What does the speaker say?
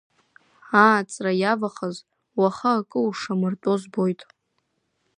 Ааҵра иавахаз, уаха акы ушамыртәо збоит!